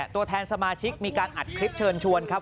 ตัวแทนสมาชิกมีการอัดคลิปเชิญชวนครับ